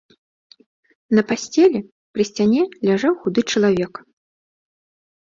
На пасцелі, пры сцяне ляжаў худы чалавек.